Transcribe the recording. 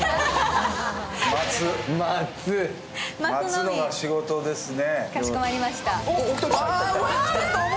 待つのが仕事ですね。